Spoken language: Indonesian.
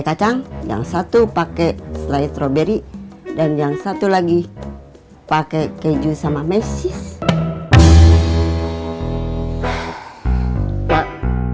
kacang yang satu pakai slide stroberi dan yang satu lagi pakai keju sama mesis pak